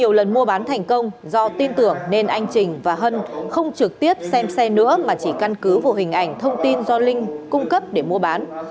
nhiều lần mua bán thành công do tin tưởng nên anh trình và hân không trực tiếp xem xe nữa mà chỉ căn cứ vào hình ảnh thông tin do linh cung cấp để mua bán